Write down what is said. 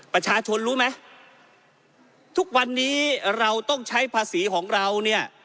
ประชาชนรู้ไหมทุกวันนี้เราต้องใช้ภาษีของเราเนี่ย